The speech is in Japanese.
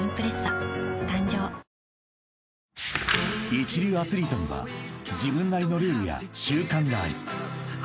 ［一流アスリートには自分なりのルールや習慣がある］